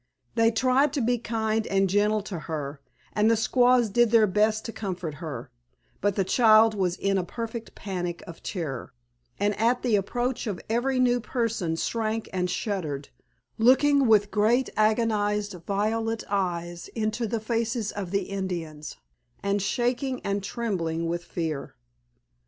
They tried to be kind and gentle to her, and the squaws did their best to comfort her, but the child was in a perfect panic of terror, and at the approach of every new person shrank and shuddered, looking with great agonized violet eyes into the faces of the Indians, and shaking and trembling with fear.